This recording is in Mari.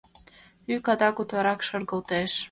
Йӱк адак утларак шергалтеш.